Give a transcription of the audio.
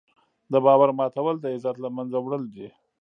د باور ماتول د عزت له منځه وړل دي.